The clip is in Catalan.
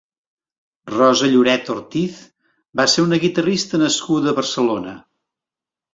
Rosa Lloret Ortiz va ser una guitarrista nascuda a Barcelona.